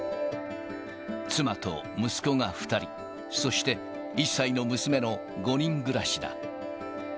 妻と息子が２人、そして１歳の娘の５人暮らしだ。